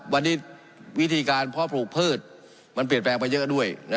วันนี้วิธีการเพาะปลูกพืชมันเปลี่ยนแปลงไปเยอะด้วย